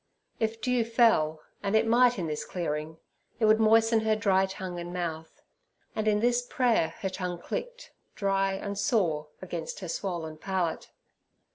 If dew fell—and it might in this clearing—it would moisten her dry tongue and mouth, and in this prayer her tongue clicked, dry and sore, against her swollen palate.